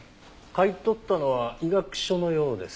買い取ったのは医学書のようです。